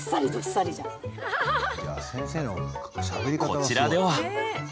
こちらでは。